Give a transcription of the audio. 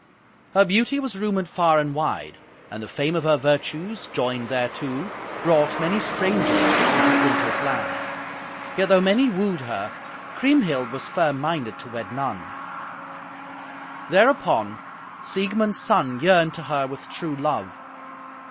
Her beauty was rumoured far and wide, and the fame of her virtues, joined thereto, brought many strangers into Gunther's land. Yet, though many wooed her, Kriemhild was firm minded to wed none. The man that was to win her was yet a stranger. Thereupon Siegmund's son yearned to her with true love.